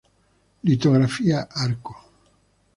Litografía Arco.